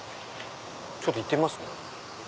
ちょっと行ってみますね。